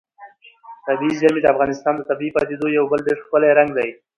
طبیعي زیرمې د افغانستان د طبیعي پدیدو یو بل ډېر ښکلی رنګ دی.